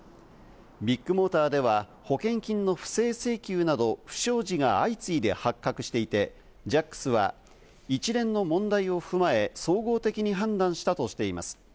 ビッグモーターでは保険金の不正請求など、不祥事が相次いで発覚していて、ジャックスは一連の問題を踏まえ、総合的に判断したとしています。